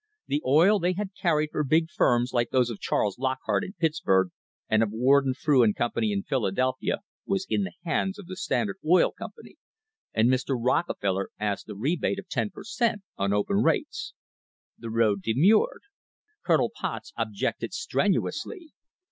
The oil they had carried for big firms like those of Charles Lockhart in Pittsburg and of Warden, Frew and Company in Philadelphia was in the hands of the Standard Oil Company, and Mr. Rockefeller asked a rebate of ten per cent, on open rates. The road de murred. Colonel Potts objected strenuously.